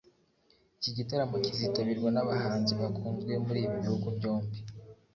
Iki gitaramo kizitabirwa n’abahanzi bakunzwe muri ibi bihugu byombi